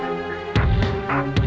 purna itu menunggu